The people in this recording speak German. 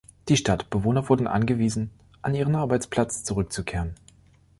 Die Stadtbewohner wurden angewiesen, an ihren Arbeitsplatz zurückzukehren.